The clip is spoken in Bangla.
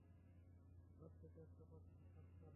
ওখান থেকে একটা পাঠাচ্ছি, শান্ত হ।